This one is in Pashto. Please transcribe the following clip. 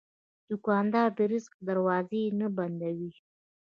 دوکاندار د رزق دروازې نه بندوي.